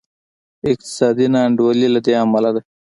اقتصادي نا انډولي له دې امله ده.